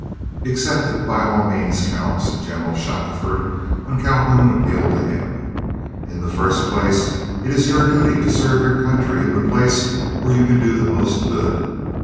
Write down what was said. "Accept it, by all means, Cal," said General Shackelford when Calhoun appealed to him. "In the first place, it is your duty to serve your country in the place where you can do the most good.